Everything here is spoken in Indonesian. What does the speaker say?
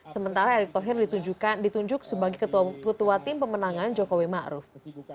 sementara erick thohir ditunjuk sebagai ketua tim pemenangan jokowi ma'ruf